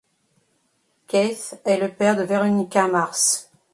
Keith est le père de Veronica Mars.